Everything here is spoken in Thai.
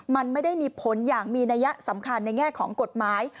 มันไม่ได้มีผลอย่างมีนัยสำคัญในแง่ของกฎหมาย